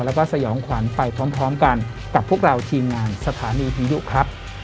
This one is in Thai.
แล้วก็สยองขวัญไปพร้อมกันกับพวกเราทีมงานสถานีผีดุครับ